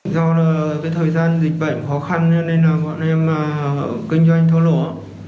do thời gian dịch bệnh khó khăn nên bọn em kinh doanh thói lũa